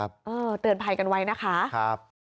เออเตือนภัยกันไว้นะคะ